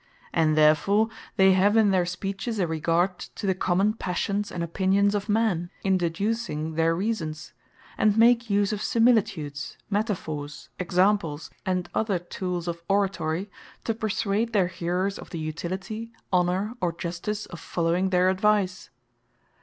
And therefore they have in their speeches, a regard to the common Passions, and opinions of men, in deducing their reasons; and make use of Similitudes, Metaphors, Examples, and other tooles of Oratory, to perswade their Hearers of the Utility, Honour, or Justice of following their advise.